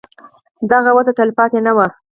دغه وده تلپاتې نه وي.